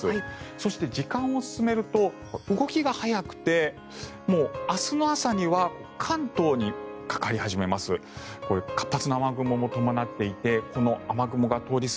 そして時間を進めると動きが早くてもう明日の朝には関東にかかり始めます。